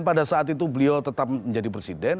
pada saat itu beliau tetap menjadi presiden